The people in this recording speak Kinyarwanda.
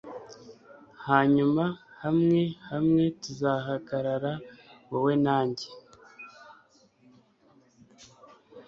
hanyuma hamwe hamwe tuzahagarara, wowe na njye